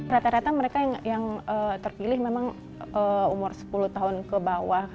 rata rata mereka yang terpilih memang umur sepuluh tahun ke bawah